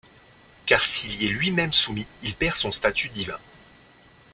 Car s'il y est lui-même soumis il perd son statut divin.